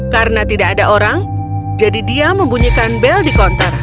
karena tidak ada orang jadi dia membunyikan bel di kontor